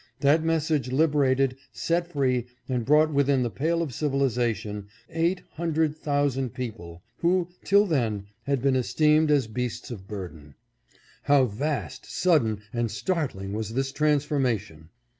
That message liberated, set free, and brought within the pale of civilization eight hundred thousand peo WHY WE CELEBRATE IT. C03 pie, who, till then, had been esteemed as beasts of burden. How vast, sudden, and startling was this transformation